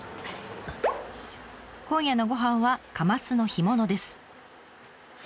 今夜のごはんはカマスの干物です。